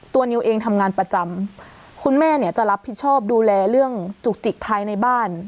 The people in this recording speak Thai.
นิวเองทำงานประจำคุณแม่เนี่ยจะรับผิดชอบดูแลเรื่องจุกจิกภายในบ้าน